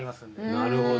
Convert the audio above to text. なるほど。